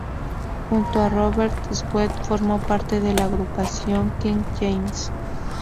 Junto a Robert Sweet formó parte de la agrupación "King James".